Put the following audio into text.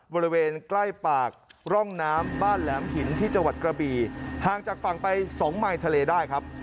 บริเวณใกล้ปากร่องน้ำบ้านแหลมหินที่จังหวัดกระบี่ห่างจากฝั่งไปสองไมค์ทะเลได้ครับ